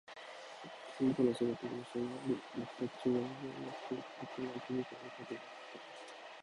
元の姿が失われ、全く違うものになっていることなどよくあることだった